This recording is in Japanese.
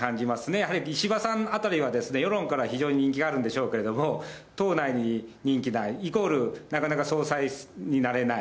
やはり石破さんあたりはですね、世論から非常に人気があるんでしょうけれども、党内に人気ない、イコール、なかなか総裁になれない。